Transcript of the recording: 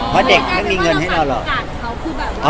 เพราะเด็กไม่มีเงินให้เราหรอก